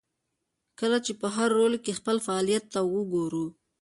کله چې په هر رول کې خپل فعالیت ته وګورو.